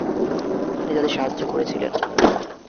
তিনি তাদের সাহায্য করেছিলেন ।